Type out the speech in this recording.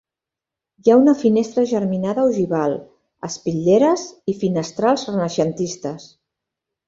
Hi ha una finestra germinada ogival, espitlleres i finestrals renaixentistes.